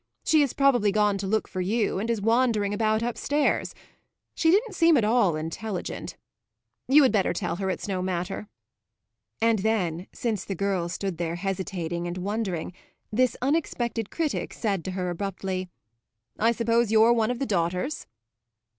She has probably gone to look for you and is wandering about upstairs; she didn't seem at all intelligent. You had better tell her it's no matter." And then, since the girl stood there hesitating and wondering, this unexpected critic said to her abruptly: "I suppose you're one of the daughters?"